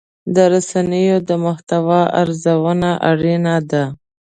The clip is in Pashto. د رسنیو د محتوا ارزونه اړینه ده.